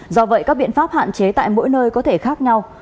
do vậy các biện pháp hạn chế tại mỗi nơi có thể khác nhau